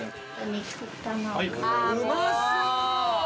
うまそう！